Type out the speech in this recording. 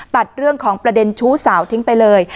ตัดเรื่องของประเด็นชู้สาวทิ้งไปเลย